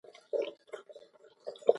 زرګر وخندل چې دا وګوره.